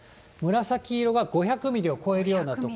紫色が５００ミリを超えるような所。